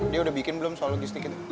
dia udah bikin belum soal logistik gitu